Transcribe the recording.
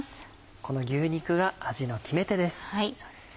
この牛肉が味の決め手です。